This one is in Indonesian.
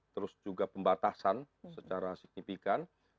terus juga pembatasan secara signifikan